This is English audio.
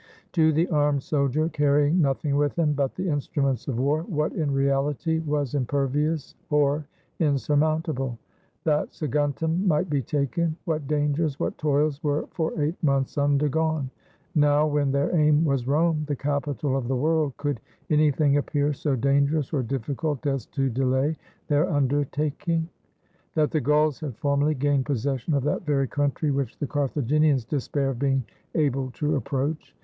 To the armed soldier, carrying nothing with him but the instruments of war, what in reality was impervious or insurmountable? That Sa guntum might be taken, what dangers, what toils were for eight months undergone ! Now, when their aim was Rome, the capital of the world, could anything appear so dangerous or difficult as to delay their undertaking? That the Gauls had formerly gained possession of that very country which the Carthaginians despair of being able to approach.